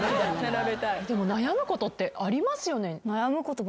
でも悩むことってありますよね。